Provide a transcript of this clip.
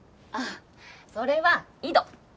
あっそれは井戸。